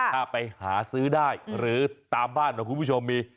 ถ้าไปหาซื้อได้หรือตามบ้านของคุณผู้ชมมี